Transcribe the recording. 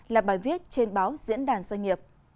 là bài viết trên báo diễn đàn doanh nghiệp